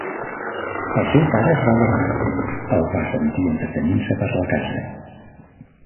El seu pare es va llevar; el va sentir entretenint-se per la casa.